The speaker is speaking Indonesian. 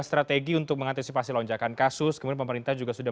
strategi untuk mengantisipasi lonjakan kasus kemudian pemerintah juga sudah